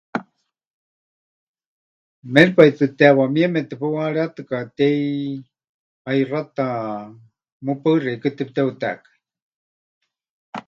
Méripai tɨ teewa mieme tepeuharétɨkatei, haixáta, mɨpaɨ xeikɨ́a tepɨteutekai.